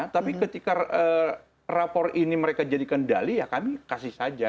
tapi ketika rapor ini mereka jadi kendali ya kami kasih saja